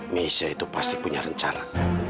indonesia itu pasti punya rencana